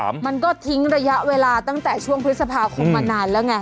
มันก็ทิ้งระยะเวลาตั้งแต่ช่วงพฤษภาคมมานานแล้วไง